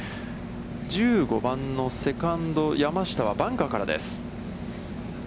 １５番のセカンド、山下はバンカーからです。